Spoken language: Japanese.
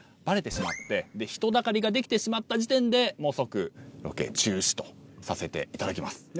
バレてしまって人だかりができてしまった時点で即ロケ中止とさせていただきます。